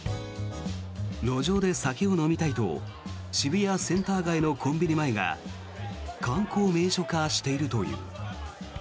路上で酒を飲みたいと渋谷センター街のコンビニ前が観光名所化しているという。